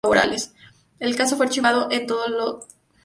El caso fue archivado al ser todos los implicados menores.